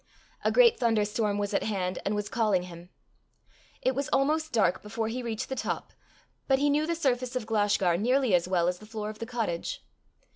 A great thunder storm was at hand, and was calling him. It was almost dark before he reached the top, but he knew the surface of Glashgar nearly as well as the floor of the cottage.